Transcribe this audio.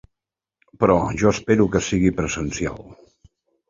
Però jo espero que sigui presencial.